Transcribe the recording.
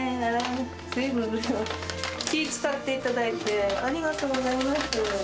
ずいぶん、気を遣っていただいて、ありがとうございます。